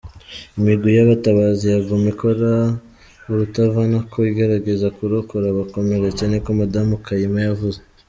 "Imigwi y'abatabazi yaguma ikora urutavanako, igerageza kurokora abakomeretse," niko Madamu Kayima yavuze.